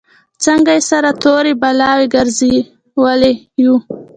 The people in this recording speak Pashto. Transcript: څنګه یې سره تورې بلاوې ګرځولي یو.